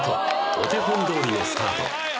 お手本どおりのスタート